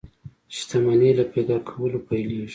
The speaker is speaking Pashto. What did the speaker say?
شتمني له فکر کولو پيلېږي.